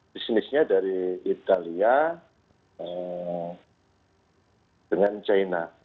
bisnisnya dari italia dengan china